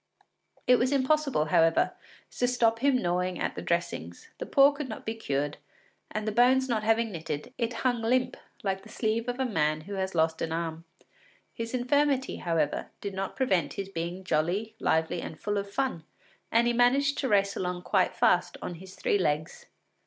It was impossible, however, to stop him gnawing at the dressings; the paw could not be cured, and the bones not having knitted, it hung limp like the sleeve of a man who has lost an arm. His infirmity, however, did not prevent his being jolly, lively, and full of fun, and he managed to race along quite fast on his three legs.